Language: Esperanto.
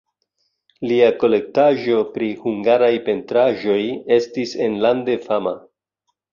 Lia kolektaĵo pri hungaraj pentraĵoj estis enlande fama.